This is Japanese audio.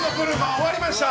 終わりました！